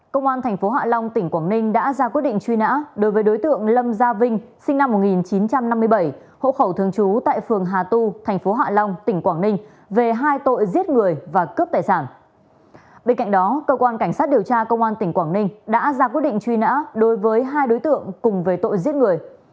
cảnh sát điều tra công an tỉnh quảng ninh đã ra quyết định truy nã đối với hai đối tượng cùng với tội giết người